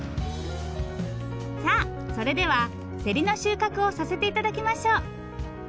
さあそれではせりの収穫をさせて頂きましょう。